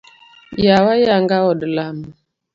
Yawo ayanga od lamo.